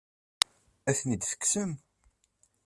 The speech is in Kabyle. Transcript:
Ad ten-id-tekksem?